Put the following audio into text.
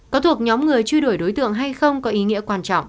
có thuộc nhóm người truy đuổi đối tượng hay không có ý nghĩa quan trọng